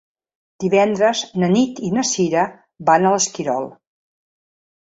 Divendres na Nit i na Cira van a l'Esquirol.